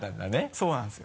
そうなんですよ。